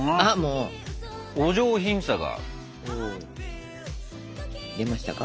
お上品さが。出ましたか？